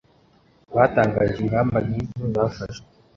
batangaje ingamba nk'izo zafashwe